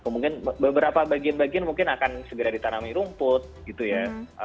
mungkin beberapa bagian bagian mungkin akan segera ditanami rumput gitu ya